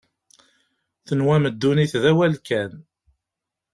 Tenwam ddunit d awal kan.